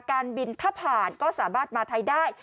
การบินถ้าผ่านก็สามารถมาไทยได้